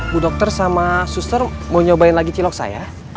bu dokter sama suster mau nyobain lagi cilok saya